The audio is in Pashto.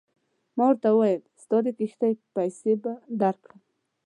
ما ورته وویل ستا د کښتۍ پیسې به درکړم.